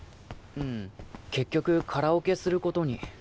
うん結局カラオケすることに。